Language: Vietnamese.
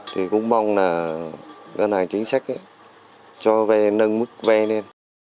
thì cũng mong là ngân hàng chính sách cho vay nâng mức vay lên